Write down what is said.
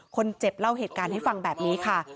คนเจ็บเล่าเหตุการณ์ให้ฟังแบบนี้ค่ะ